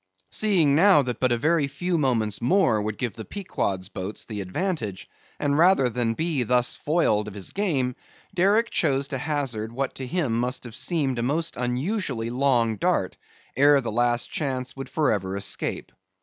Seeing now that but a very few moments more would give the Pequod's boats the advantage, and rather than be thus foiled of his game, Derick chose to hazard what to him must have seemed a most unusually long dart, ere the last chance would for ever escape.